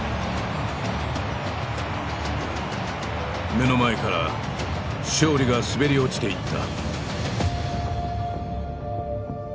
目の前から勝利が滑り落ちていった。